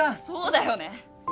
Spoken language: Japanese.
そうだよね。